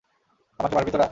আমাকে মারবি তোরা।